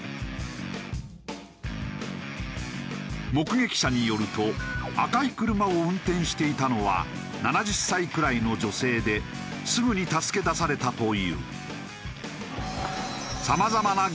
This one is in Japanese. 目撃者によると赤い車を運転していたのは７０歳くらいの女性ですぐに助け出されたという。